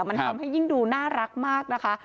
มันทำให้ยิ่งดูน่ารักมากนะคะ